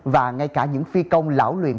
và ngay cả những phi công lão luyện